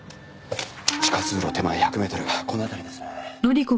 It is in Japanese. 地下通路手前１００メートルがこの辺りですね。